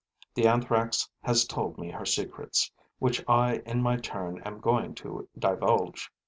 The Anthrax has told me her secrets, which I in my turn am going to divulge.